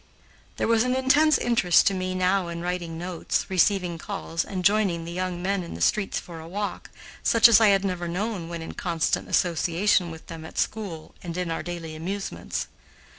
There was an intense interest to me now in writing notes, receiving calls, and joining the young men in the streets for a walk, such as I had never known when in constant association with them at school and in our daily amusements.